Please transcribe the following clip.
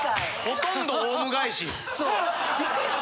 ほとんどオウム返し。